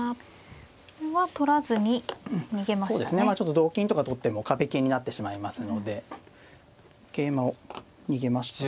同金とか取っても壁金になってしまいますので桂馬を逃げましたけれども。